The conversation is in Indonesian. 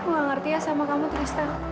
aku tidak mengerti ya sama kamu tristan